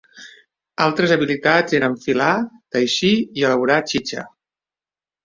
Altres habilitats eren filar, teixir i elaborar txitxa.